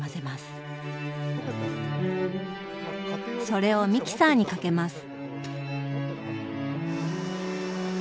それをミキサーにかけます。